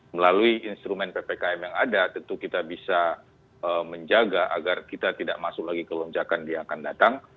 melalui instrumen ppkm yang ada tentu kita bisa menjaga agar kita tidak masuk lagi ke lonjakan yang akan datang